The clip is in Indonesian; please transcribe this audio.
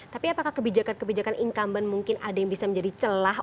tapi apakah kebijakan kebijakan incumbent mungkin ada yang bisa menjadi celah